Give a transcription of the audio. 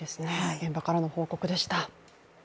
現場からの報告でした。